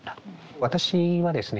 私はですね